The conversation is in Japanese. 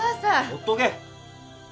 ほっとけ！